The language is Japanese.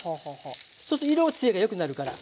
そうすると色つやがよくなるから。